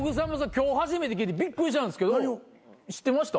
今日初めて聞いてびっくりしたんですけど知ってました？